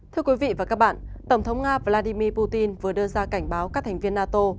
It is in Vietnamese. thưa quý vị và các bạn tổng thống nga vladimir putin vừa đưa ra cảnh báo các thành viên nato